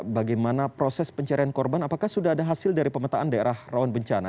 bagaimana proses pencarian korban apakah sudah ada hasil dari pemetaan daerah rawan bencana